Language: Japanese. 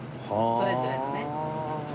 それぞれのね。